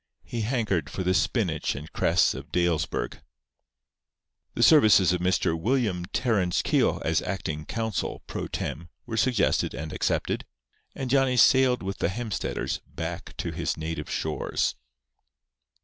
He hankered for the spinach and cress of Dalesburg. The services of Mr. William Terence Keogh as acting consul, pro tem., were suggested and accepted, and Johnny sailed with the Hemstetters back to his native shores.